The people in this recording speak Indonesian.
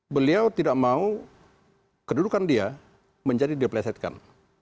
beliau tidak mau kedudukan dia menjadi di playsetkan